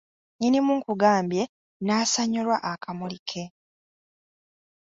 Nnyinimu nkugambye n’asanyulwa akamuli ke.